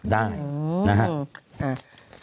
ได้นะฮะ